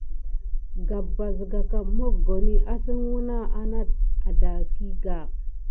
Gabba sikà mokoni asane wuke horike amà a nat aɗakiga.